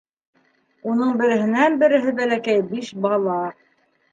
Уның береһенән-береһе бәләкәй биш бала.